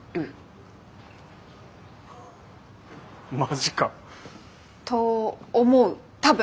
マジか！と思う多分。